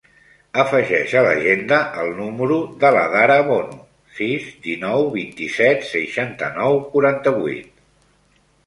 Afegeix a l'agenda el número de l'Adhara Bono: sis, dinou, vint-i-set, seixanta-nou, quaranta-vuit.